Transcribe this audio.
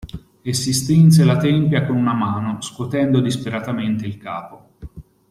E si strinse le tempia con una mano, scuotendo disperatamente il capo.